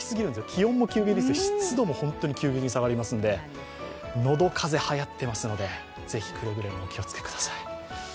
気温も急激ですけど、湿度も本当に急激に下がりますので、喉風邪はやっていますのでくれぐれもお気をつけください。